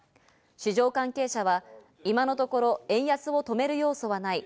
市場関係者は今のところ円安を止める要素はない。